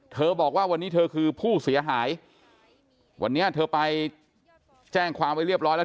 บอกว่าวันนี้เธอคือผู้เสียหายวันนี้เธอไปแจ้งความไว้เรียบร้อยแล้ว